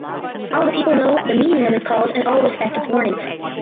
All the people know the meaning of its calls and all respect its warnings.